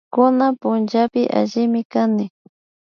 Kunan punllapi allimi kani